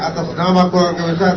atas nama keluarga besar